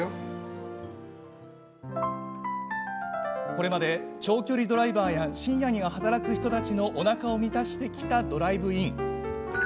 これまで長距離ドライバーや深夜に働く人たちのおなかを満たしてきたドライブイン。